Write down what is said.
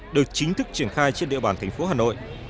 được chính thức triển khai trên địa bàn thành phố hà nội